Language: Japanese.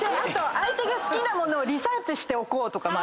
「相手がスキなものをリサーチしておこう」とかもある。